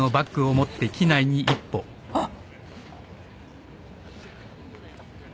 あっ。